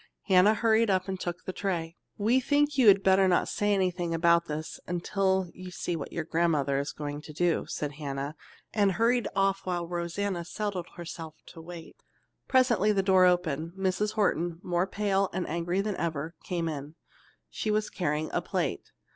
Hannah hurried up and took the tray. "We think you had better not say anything about this until you see what your grandmother is going to do," said Hannah and hurried off while Rosanna settled herself to wait. Presently the door opened. Mrs. Horton, more pale and angry than ever, came in. She was carrying a plate.